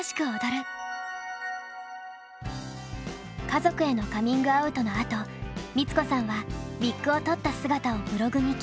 家族へのカミングアウトのあと光子さんはウィッグを取った姿をブログに掲載。